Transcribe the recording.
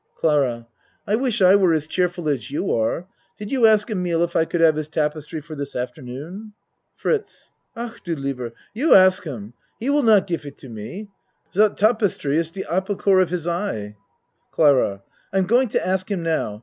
CLARA I wish I were as cheerful as you are. Did you ask Emile if I could have his tapestry for this afternoon? FRITZ Ach du lieber! You ask him. He vill not gif it to me. Dot tapestry is de apple core of his eye. CLARA I'm going to ask him now.